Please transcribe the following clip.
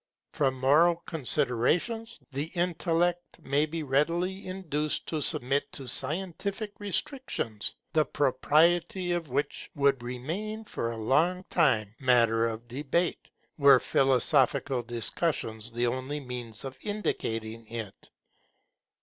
From moral considerations, the intellect may be readily induced to submit to scientific restrictions, the propriety of which would remain for a long time matter of debate, were philosophical discussions the only means of indicating it.